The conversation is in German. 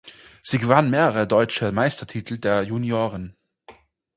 Sie gewann mehrere deutsche Meistertitel der Junioren.